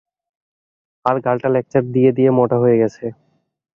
আর গালটা লেকচার দিয়ে দিয়ে মোটা হয়ে গেছে।